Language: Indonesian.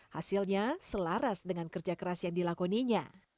hasilnya selaras dengan kerja keras yang dilakoninya